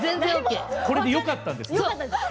これでよかったんですね。